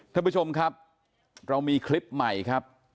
ท่านผู้ชมครับเรามีคลิปใหม่ครับ